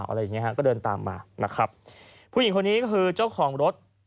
อะไรอย่างเงี้ฮะก็เดินตามมานะครับผู้หญิงคนนี้ก็คือเจ้าของรถ